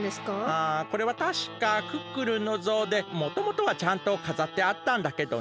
ああこれはたしかクックルンのぞうでもともとはちゃんとかざってあったんだけどね。